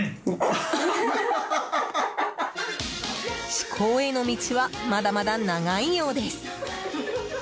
至高への道はまだまだ長いようです。